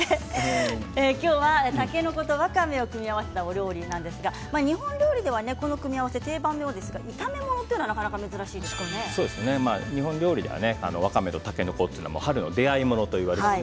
今日は、たけのことわかめを組み合わせたお料理なんですが日本料理ではこの組み合わせ定番のようですが日本料理ではわかめとたけのこは春の出会いものと言われています。